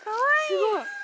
すごい。